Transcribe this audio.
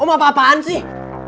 oh apa apaan sih